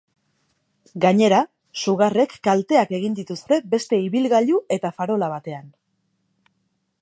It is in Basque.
Gainera, sugarrek kalteak egin dituzte beste ibilgailu eta farola batean.